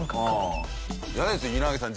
嫌ですよ稲垣さん